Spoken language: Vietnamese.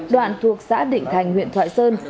đoạn thuộc xã định thành huyện thoại sơn